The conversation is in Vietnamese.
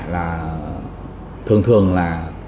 là thường thường là